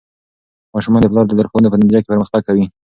ماشومان د پلار د لارښوونو په نتیجه کې پرمختګ کوي.